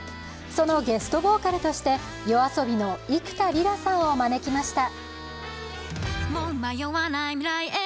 そのゲストボーカルとして、ＹＯＡＳＯＢＩの幾田りらさんを招きました。